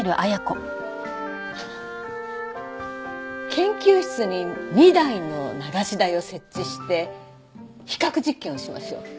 研究室に２台の流し台を設置して比較実験をしましょう。